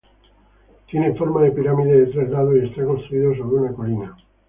Tiene forma de pirámide de tres lados y está construido sobre una colina.